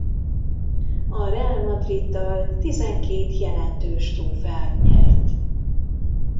A Real Madriddal tizenkét jelentős trófeát nyert.